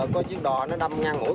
có chiếc đò nó đâm ngang mũi